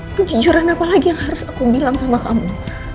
kejujuran apa lagi yang harus aku bilang sama kamu